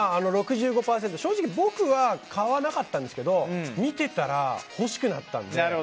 正直僕は買わなかったんですけど見てたら欲しくなったので。